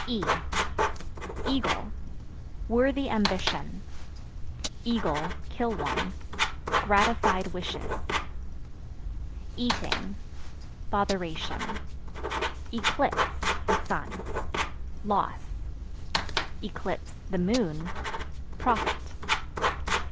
E Eagle Worthy ambition; (kill one) gratified wishes. Eating Botheration. Eclipse (The sun) loss; (the moon) profit.